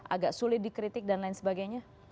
agak sulit dikritik dan lain sebagainya